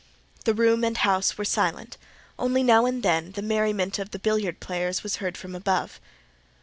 The room and the house were silent: only now and then the merriment of the billiard players was heard from above.